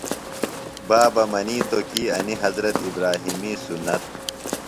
بابہ منِیتوۡ کی انیۡ حضرت ابراھیمی سُنت۔